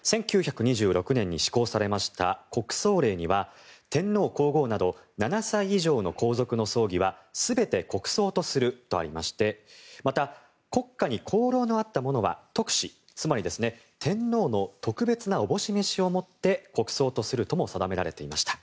１９２６年に施行されました国葬令には天皇・皇后など７歳以上の皇族の葬儀は全て国葬とするとありましてまた、国家に功労のあった者は特旨つまり、天皇の特別な思し召しをもって国葬にするとも定められていました。